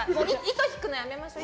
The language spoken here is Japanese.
糸引くの、もうやめましょう。